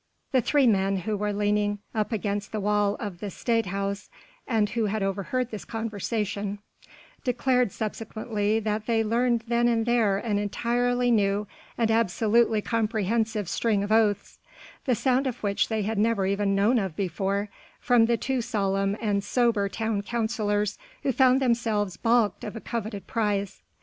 The three men, who were leaning up against the wall of the Stadhuis, and who had overheard this conversation, declared subsequently that they learned then and there an entirely new and absolutely comprehensive string of oaths, the sound of which they had never even known of before, from the two solemn and sober town councillors who found themselves baulked of a coveted prize.